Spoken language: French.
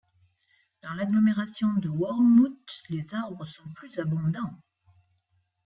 Dans l’agglomération de Whormout les arbres sont plus abondants.